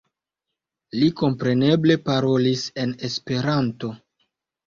Li kompreneble parolis en Esperanto.